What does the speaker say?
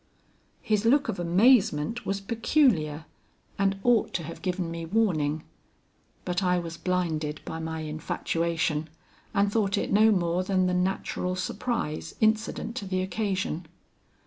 "His look of amazement was peculiar and ought to have given me warning; but I was blinded by my infatuation and thought it no more than the natural surprise incident to the occasion.